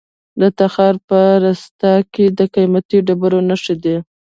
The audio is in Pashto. د تخار په رستاق کې د قیمتي ډبرو نښې دي.